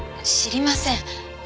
知りません。